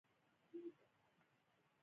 خور د دین په زده کړه کې هڅه کوي.